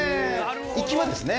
行きはですね